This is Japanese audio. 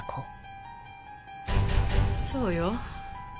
そうよ。